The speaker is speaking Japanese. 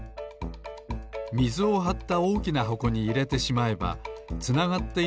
みずをはったおおきなはこにいれてしまえばつながっていないす